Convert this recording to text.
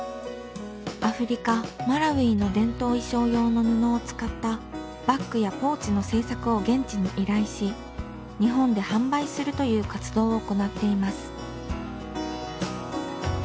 アフリカマラウイの伝統衣装用の布を使ったバッグやポーチの製作を現地に依頼し日本で販売するという活動を行っています。